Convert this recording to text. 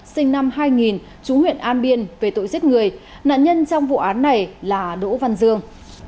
sinh năm hai nghìn chú huyện an biên về tội giết người nạn nhân trong vụ án này là đỗ văn dương